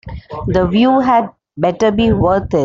The view had better be worth it.